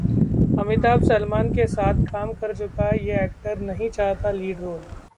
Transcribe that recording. अमिताभ, सलमान के साथ काम कर चुका ये एक्टर नहीं चाहता लीड रोल